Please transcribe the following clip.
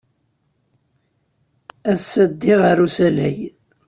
Ass-a, ddiɣ ɣer usalay.